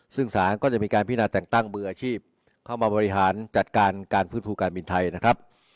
ซึ่งสารก็จะมีการพินาแต่งตั้งมืออาชีพเข้ามาบริหารจัดการการฟื้นฟูการบินไทยนะครับ